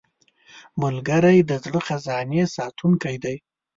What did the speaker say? ملګری د زړه خزانې ساتونکی دی